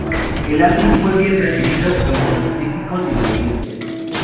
El álbum fue bien recibido entre los críticos y la audiencia.